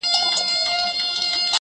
مور لا هم کمزورې ده او ډېر لږ خبري کوي،